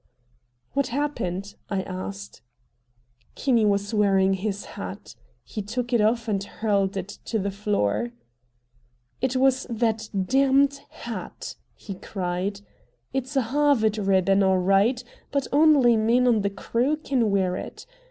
"What happened?" I asked. Kinney was wearing his hat. He took it off and hurled it to the floor. "It was that damned hat!" he cried. "It's a Harvard ribbon, all right, but only men on the crew can wear it!